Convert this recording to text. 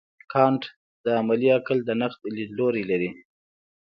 کانټ د عملي عقل د نقد لیدلوری لري.